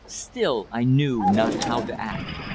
Still I knew not how to act.